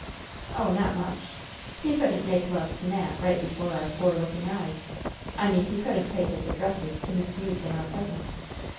"Oh, not much. He couldn't make love to Nat right before our four looking eyes I mean he couldn't pay his addresses to Miss Meeke in our presence.